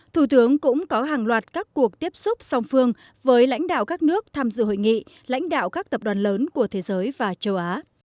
thủ tướng cũng có hàng loạt các cuộc tiếp xúc song phương với lãnh đạo các nước tham dự hội nghị lãnh đạo các tập đoàn lớn của thế giới và châu á